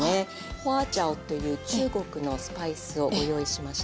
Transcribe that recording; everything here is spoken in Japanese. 花椒という中国のスパイスをご用意しました。